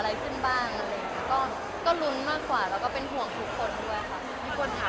อะไรขึ้นบ้างก็รุ้นมากกว่าแล้วก็เป็นห่วงทุกคนด้วยค่ะ